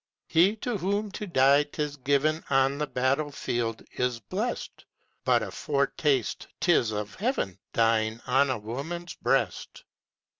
He to whom to die 'tis given On the battle field, is blest; But a foretaste 'tis of heaven, Dying on a woman's breast.